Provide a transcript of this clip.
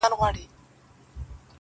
نه خبره یې پر باز باندي اثر کړي؛